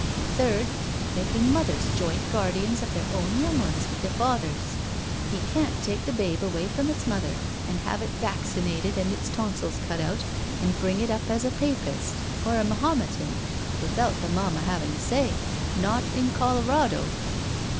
Third, making mothers joint guardians of their own young ones with the fathers. He can't take the babe away from its mother and have it vaccinated and its tonsils cut out, and bring it up as a Papist or a to8 NO SURRENDER Mahometan without the momma having a say— not in Colorado."